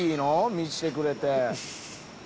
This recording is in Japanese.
見せてくれて。